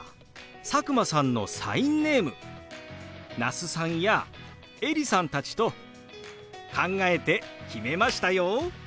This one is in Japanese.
佐久間さんのサインネーム那須さんやエリさんたちと考えて決めましたよ。